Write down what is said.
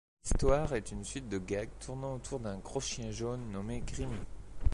L'histoire est une suite de gags tournant autour d'un gros chien jaune, nommé Grimmy.